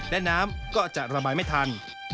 และน้ำก็จะระบายไม่ทัน